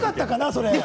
それ。